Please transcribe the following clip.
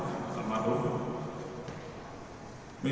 memang ada penyakit komplikasi